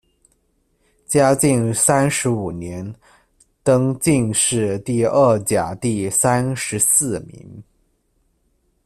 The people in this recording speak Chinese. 嘉靖三十五年，登进士第二甲第三十四名。